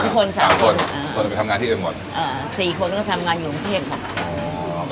คนที่ทำงานที่อื่นหมดอ่า๔คนก็ทำงานอยู่รุงเทพ